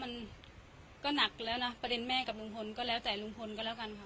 มันก็หนักแล้วนะประเด็นแม่กับลุงพลก็แล้วแต่ลุงพลก็แล้วกันค่ะ